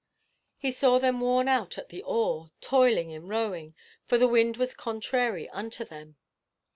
He saw them worn out at the oar, toiling in rowing, for the wind was contrary unto them.